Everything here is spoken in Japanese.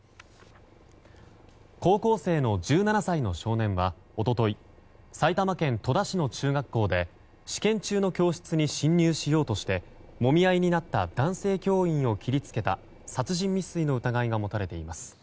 高校生の１７歳の少年は一昨日埼玉県戸田市の中学校で試験中の教室に侵入しようとしてもみ合いになった男性教員を切りつけた殺人未遂の疑いが持たれています。